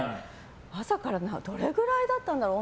朝からどれくらいだったんだろう。